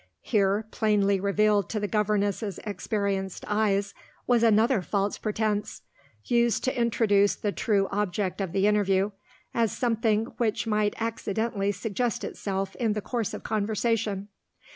Here, plainly revealed to the governess's experienced eyes, was another false pretence used to introduce the true object of the interview, as something which might accidentally suggest itself in the course of conversation.